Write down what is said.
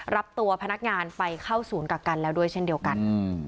รับตัวพนักงานไปเข้าศูนย์กักกันแล้วด้วยเช่นเดียวกัน